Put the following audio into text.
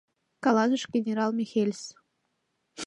— каласыш генерал Михельс.